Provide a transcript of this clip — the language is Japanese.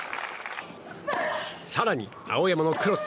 更に、青山のクロス。